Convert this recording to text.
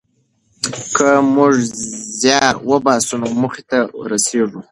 که موږ زیار وباسو نو موخې ته رسېږو.